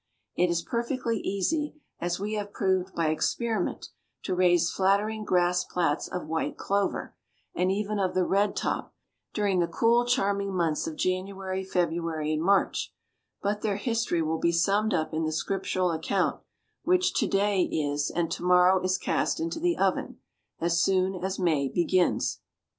It is perfectly easy, as we have proved by experiment, to raise flattering grass plats of white clover, and even of the red top, during the cool, charming months of January, February, and March; but their history will be summed up in the scriptural account "which to day is, and to morrow is cast into the oven" as soon as May begins.